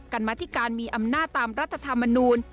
กรรมธิการมีอำนาจตามรัฐธรรมนูล